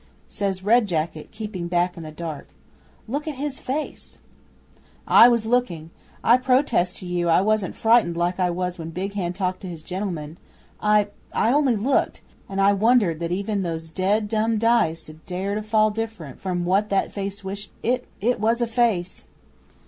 'Says Red Jacket, keeping back in the dark, "Look at his face!" 'I was looking. I protest to you I wasn't frightened like I was when Big Hand talked to his gentlemen. I I only looked, and I wondered that even those dead dumb dice 'ud dare to fall different from what that face wished. It it was a face!